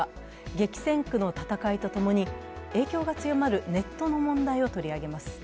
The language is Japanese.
激戦区の戦いとともに影響が強まるネットの問題を取り上げます。